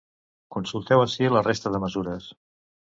Consulteu ací la resta de mesures.